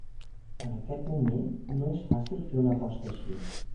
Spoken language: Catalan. En aquest moment no és fàcil fer una aposta així.